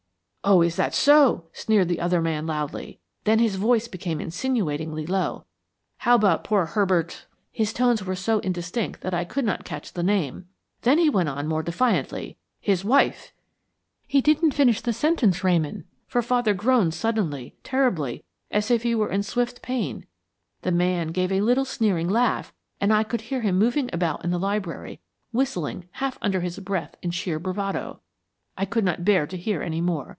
"'Oh, is that so!' sneered the other man loudly. Then his voice became insinuatingly low. 'How about poor Herbert ' His tones were so indistinct that I could not catch the name. Then he went on more defiantly, 'His wife ' He didn't finish the sentence, Ramon, for father groaned suddenly, terribly, as if he were in swift pain; the man gave a little sneering laugh, and I could hear him moving about in the library, whistling half under his breath in sheer bravado. I could not bear to hear any more.